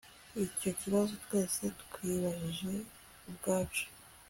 Icyo nikibazo twese twibajije ubwacu